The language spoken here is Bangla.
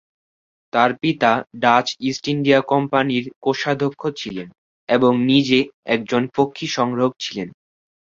তার পিতা ডাচ ইস্ট ইন্ডিয়া কোম্পানীর কোষাধ্যক্ষ ছিলেন এবং নিজে একজন পক্ষী সংগ্রাহক ছিলেন।